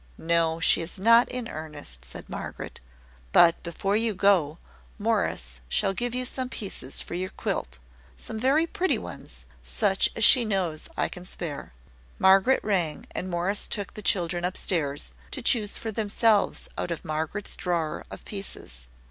"No; she is not in earnest," said Margaret. "But before you go, Morris shall give you some pieces for your quilt some very pretty ones, such as she knows I can spare." Margaret rang, and Morris took the children up stairs, to choose for themselves out of Margaret's drawer of pieces.